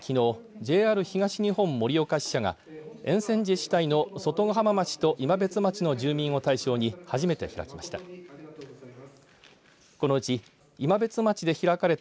ＪＲ東日本盛岡支社が沿線自治体の外ヶ浜町と今別町の住民を対象に初めて開きました。